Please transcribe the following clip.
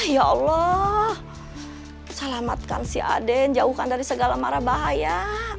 ya allah selamatkan si aden jauhkan dari segala mara bahaya